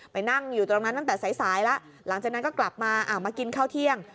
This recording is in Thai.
นั่งอยู่ตรงนั้นตั้งแต่สายแล้วหลังจากนั้นก็กลับมามากินข้าวเที่ยง